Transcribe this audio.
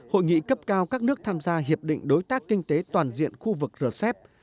hội nghị cấp cao các nước tham gia hiệp định đối tác kinh tế toàn diện khu vực rcep